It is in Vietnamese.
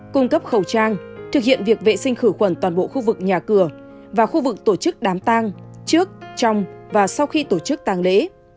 cung cấp khẩu trang thực hiện việc vệ sinh khử khuẩn toàn bộ khu vực nhà cửa và khu vực tổ chức đám tang trước trong và sau khi tổ chức tàng lễ